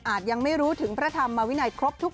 อาจยังไม่รู้ถึงพระธรรมมาวินัยครบทุกข้อ